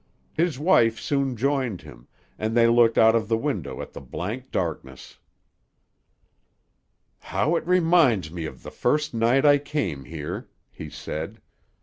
His wife soon joined him, and they looked out of the window at the blank darkness. "How it reminds me of the first night I came here," he said.